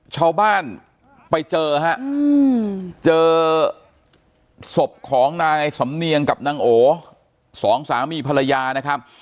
ชาวบ้านไปเจอฮะเจอศพของนายสำเนียงกับนางโอสองสามีภรรยานะครับ